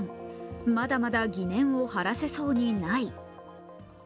まだまだ疑念を晴らせそうにない。